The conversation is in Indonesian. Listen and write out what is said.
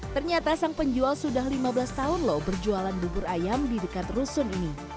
ternyata sang penjual sudah lima belas tahun loh berjualan bubur ayam di dekat rusun ini